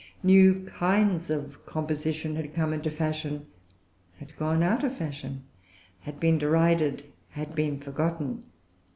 New kinds of composition had come into fashion, had gone out of fashion, had been derided, had been forgotten.